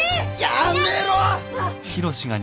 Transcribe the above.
やめろ！